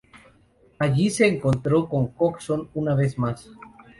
Allí, se encontró con Coxon una vez más.